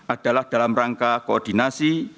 adalah dalam rangka koordinasi